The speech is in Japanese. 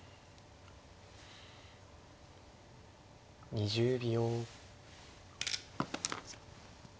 ２０秒。